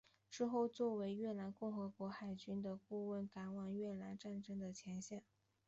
之后作为越南共和国海军的顾问赶往越南战争前线。